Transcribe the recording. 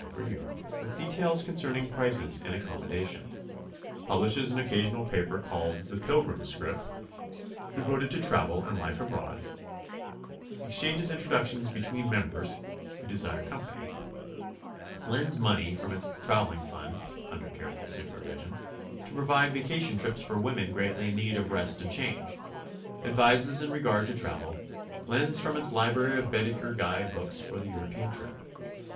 over all Europe, with details concerning prices and accommodation: publisihes an occasional paper called The Pilgrim Scrip, devoted *to travel and life abroad; exchanges introductions between m mbers who desire company; lends money from its traveling fund (under careful supervision) to provide vacation trip's for women greatly in need of rest and change; advises in regard to travel; lends from its library of Baedeker guide books for the European trip; and 10 GOING ABROAD?